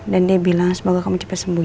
dan dia bilang semoga kamu cepat sembuh ya